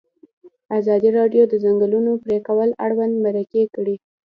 ازادي راډیو د د ځنګلونو پرېکول اړوند مرکې کړي.